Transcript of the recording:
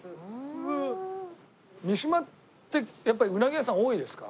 三島ってやっぱりうなぎ屋さん多いですか？